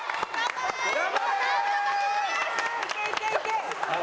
いけいけいけ！